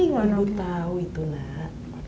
ibu tahu itu nak